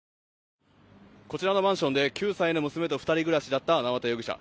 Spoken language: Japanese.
こちらのマンションで９歳の娘と２人暮らしだった縄田容疑者。